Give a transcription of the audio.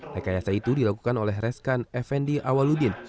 rekayasa itu dilakukan oleh reskan effendi awaludin